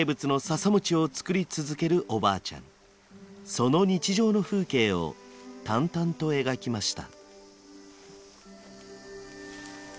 その日常の風景を淡々と描きました。